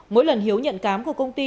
mỗi lần hiếu nhận cám của công ty